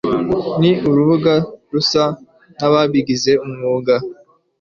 Ni urubuga rusa nababigize umwuga.